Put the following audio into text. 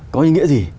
có nghĩa gì